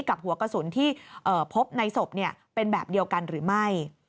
กับหัวกระสุนที่พบในศพเป็นแบบเดียวกันหรือไม่